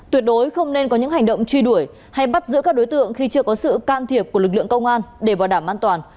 tuyệt đối không nên có những hành động truy đuổi hay bắt giữ các đối tượng khi chưa có sự can thiệp của lực lượng công an để bảo đảm an toàn